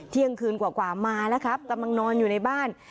เที่ยงคืนกว่ามาแล้วครับกำลังนอนอยู่ในบ้าน